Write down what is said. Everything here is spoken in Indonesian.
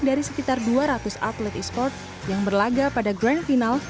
dari sekitar dua ratus atlet esports yang berlaga pada grand final